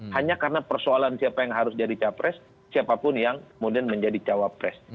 hanya karena persoalan siapa yang harus jadi capres siapapun yang kemudian menjadi cawapres